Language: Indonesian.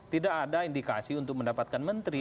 tidak ada indikasi untuk mendapatkan menteri